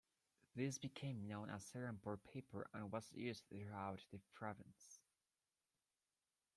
This became known as Serampore Paper and was used throughout the province.